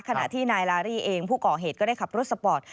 ขณะที่นายลารี่เองผู้ก่อเหตุก็ได้ขับรถสปอร์ต